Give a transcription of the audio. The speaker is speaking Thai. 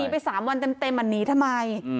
หนีไปสามวันเต็มอ่ะหนีทำไม